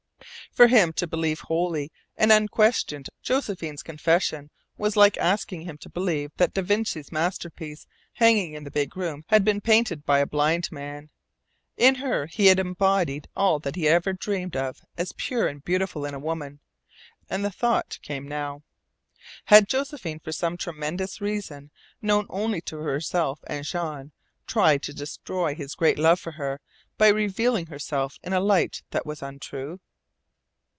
For him to believe wholly and unquestioned Josephine's confession was like asking him to believe that da Vinci's masterpiece hanging in the big room had been painted by a blind man. In her he had embodied all that he had ever dreamed of as pure and beautiful in a woman, and the thought came now. Had Josephine, for some tremendous reason known only to herself and Jean, tried to destroy his great love for her by revealing herself in a light that was untrue?